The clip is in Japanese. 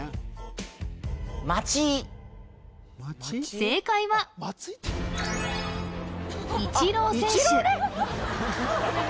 正解はイチロー選手